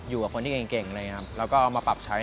อยู่กับคนที่เก่งอะไรอย่างนี้ครับแล้วก็เอามาปรับใช้